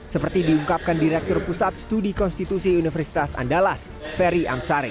seperti diungkapkan direktur pusat studi konstitusi universitas andalas ferry amsari